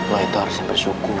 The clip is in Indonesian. lo itu harusnya bersyukur